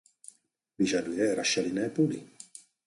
Vyžaduje rašelinné půdy.